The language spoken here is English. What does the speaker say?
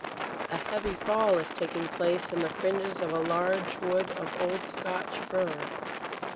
A heavy fall is taking place in the fringes of a large wood of old Scotch fir.